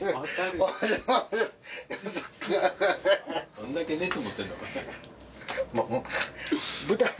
・どんだけ熱持って。